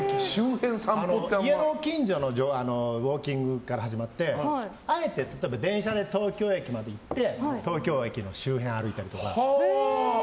家の近所のウォーキングから始まってあえて電車で東京駅まで行って東京駅の周辺歩いたりとか。